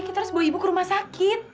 kita harus bawa ibu ke rumah sakit